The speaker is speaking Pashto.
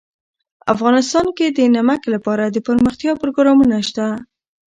افغانستان کې د نمک لپاره دپرمختیا پروګرامونه شته.